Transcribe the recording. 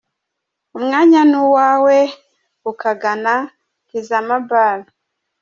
Umwanya ni uwawe ukagana Tizama Bar.